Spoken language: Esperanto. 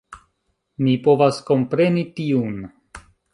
Mi povas kompreni tiun